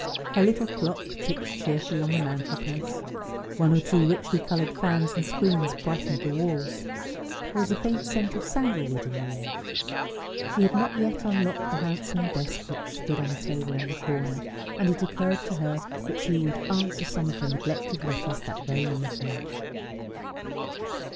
Her little clock ticked cheerfully on the mantelpiece, one or two richly coloured fans and screens brightened the walls; there was a faint scent of sandal wood in the air. She had not yet unlocked the handsome desk which stood on a table in the corner, and it occurred to her that she would answer some of her neglected letters that very evening.